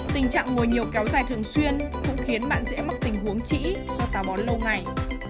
tình trạng ngồi nhiều kéo dài thường xuyên cũng khiến bạn dễ mắc tình huống trĩ do tà bón lâu ngày